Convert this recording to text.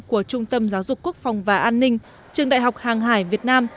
của trung tâm giáo dục quốc phòng và an ninh trường đại học hàng hải việt nam